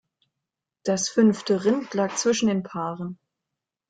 Das fünfte Rind lag zwischen den Paaren.